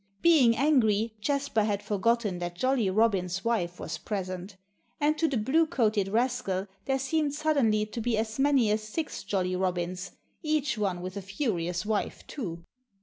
Being angry, Jasper had forgotten that Jolly Robin's wife was present. And to the blue coated rascal there seemed suddenly to be as many as six Jolly Robins, each one with a furious wife, too.